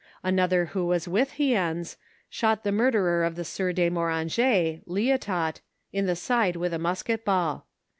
Another who was with Hiens, shot the murderer of the sieur de Moranget (Liotot), in the side with a musket ball.